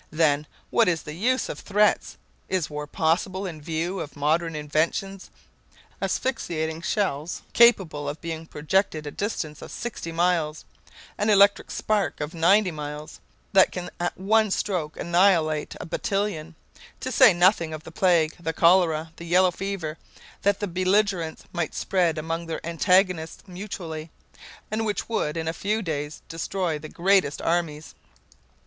Then, what is the use of threats? Is war possible in view of modern inventions asphyxiating shells capable of being projected a distance of 60 miles, an electric spark of 90 miles, that can at one stroke annihilate a battalion; to say nothing of the plague, the cholera, the yellow fever, that the belligerents might spread among their antagonists mutually, and which would in a few days destroy the greatest armies?"